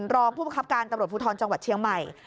รองผู้ประคับการตำรวจภูทรจังหวัดเชียงใหม่